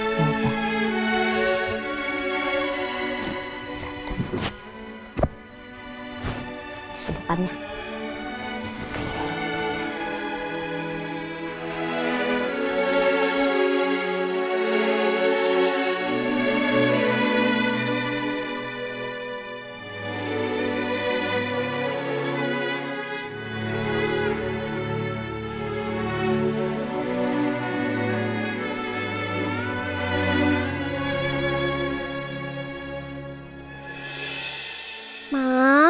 terus di depannya